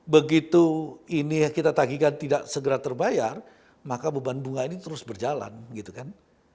begitu ini kita tagihkan tidak segera terbayar maka beban bunga ini terus berjalan gitu kan